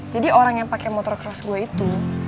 jadi orang yang pake motor cross gue itu